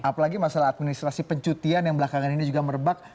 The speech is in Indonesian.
apalagi masalah administrasi pencutian yang belakangan ini juga merebak